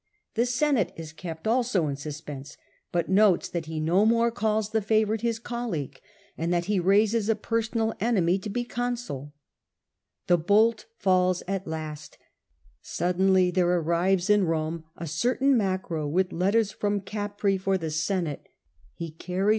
The Senate is kept also in suspense, but notes that he no more calls the fa vourite his colleague, and that he raises a per sonal enemy to be consul. The bolt falls at last, Suddenly there arrives in Rome a certain Macro with letters from Capreae for the Senate. He carries the 64 The Earlier Emph'e.